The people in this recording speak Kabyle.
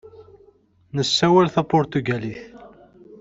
Nessawal tapuṛtugalit.